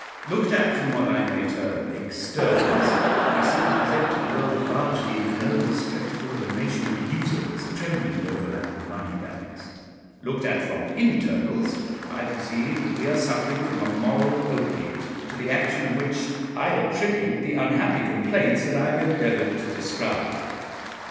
"Looked at from what I may term 'externals,' we simply present to the world at large the ignoble spectacle of a nation of usurers trembling over our money bags; looked at from internals, I perceive that we are suffering from a moral opiate, to the action of which I attribute the unhappy complaints that I have endeavoured to describe.